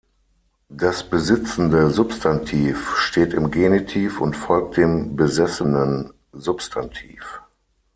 Das besitzende Substantiv steht im Genitiv und folgt dem besessenen Substantiv.